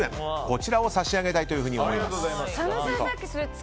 こちらを差し上げたいと思います。